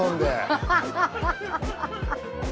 ハハハハ！